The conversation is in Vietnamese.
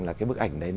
là cái bức ảnh đấy